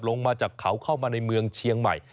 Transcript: ลงมาจากเขาเข้ามาในเมืองเชียงใหม่